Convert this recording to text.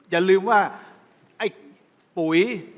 อย่าลืมว่าไอ้ปุ๋ย